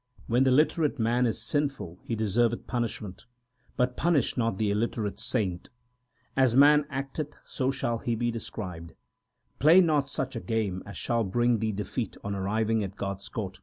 ASA KI WAR 235 PAURI XII When the literate man is sinful he dcscrvcth punishment ; but punish not the illiterate saint. As man acteth so shall he be described. Play not such a game as shall bring thee defeat on arriving at God s court.